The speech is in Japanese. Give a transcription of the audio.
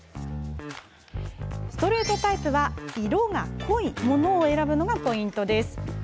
ストレートタイプは色が濃いものを選ぶのがポイントです。